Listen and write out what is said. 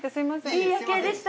いい夜景でした。